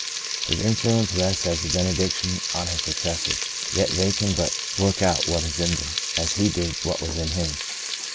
His influence rests as a bene diction on his successors ; yet they can but work out what is in them, as he did what was in him.